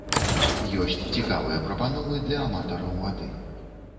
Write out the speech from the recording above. Ёсць цікавыя прапановы для аматараў вады.